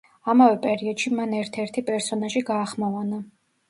ამავე პერიოდში მან ერთ-ერთი პერსონაჟი გაახმოვანა.